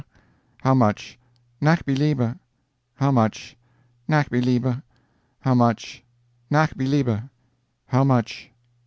"How much?" "NACH BELIEBE." "How much?" "NACH BELIEBE." "How much?" "NACH BELIEBE." "How much?"